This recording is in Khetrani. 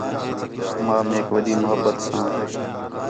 ماں میک وݙّی محبت ساں